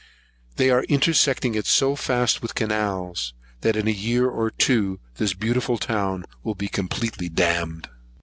They are intersecting it so fast with canals, that in a year or two this beautiful town will be completely dammed.